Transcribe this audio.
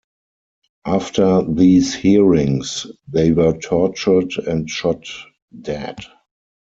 After these 'hearings' they were tortured and shot dead.